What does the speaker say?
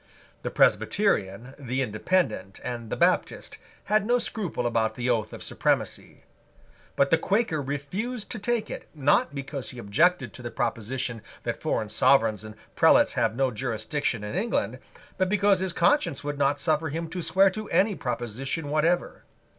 The Presbyterian, the Independent, and the Baptist had no scruple about the Oath of Supremacy. But the Quaker refused to take it, not because he objected to the proposition that foreign sovereigns and prelates have no jurisdiction in England, but because his conscience would not suffer him to swear to any proposition whatever.